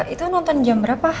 itu nonton jam berapa